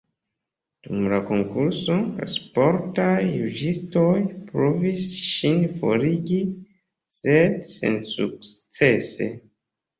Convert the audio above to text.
Dum la konkurso, la sportaj juĝistoj provis ŝin forigi, sed sensukcese.